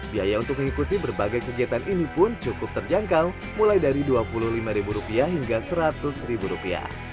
biaya untuk mengikuti berbagai kegiatan ini pun cukup terjangkau mulai dari dua puluh lima rupiah hingga seratus rupiah